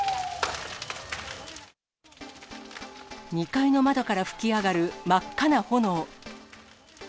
２階の窓から噴き上がる真っ赤な炎。